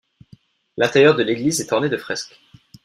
L'intérieur de l'église est orné de fresques.